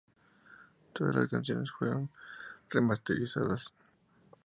Todas las canciones fueron remasterizadas.